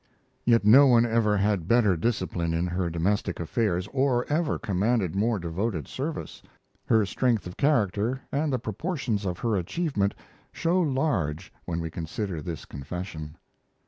Yet no one ever had better discipline in her domestic affairs or ever commanded more devoted service. Her strength of character and the proportions of her achievement show large when we consider this confession.